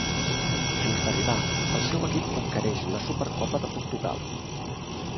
Just arribar, el seu equip conquereix la Supercopa de Portugal.